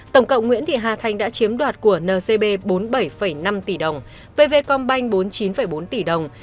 tổng cộng nguyễn thị hà thành đã chiếm đoạt của ncb bốn mươi bảy năm tỷ đồng pv com banh bốn mươi chín bốn tỷ đồng